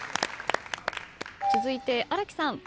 続いて新木さん。